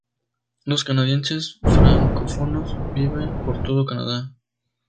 Los canadienses francófonos viven por todo Canadá.